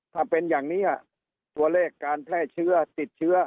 ถ้าเป็นอย่างนี้ตัวเลขการแพร่เชื้อติดเชื้อ